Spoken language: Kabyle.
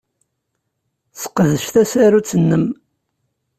Sseqdec tasarut-nnem.